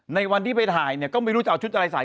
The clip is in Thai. ในวันที่ไปถ่ายเนี่ยก็ไม่รู้จะเอาชุดอะไรใส่